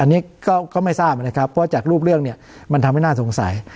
อันนี้ก็ไม่ทราบนะครับเพราะจากรูปเรื่องเนี่ยมันทำให้น่าสงสัย